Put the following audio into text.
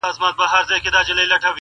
دلته شهیدي جنازې ښخېږي٫